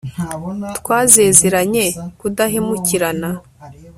twazezeranye kudahemukirana